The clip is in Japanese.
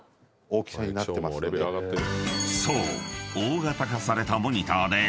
［そう］